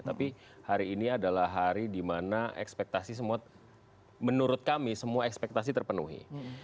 tapi hari ini adalah hari di mana ekspektasi semua menurut kami semua ekspektasi terpenuhi